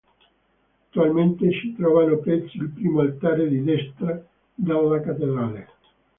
Attualmente si trovano presso il primo altare di destra della cattedrale.